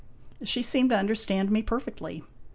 She seemed to understand me perfectly.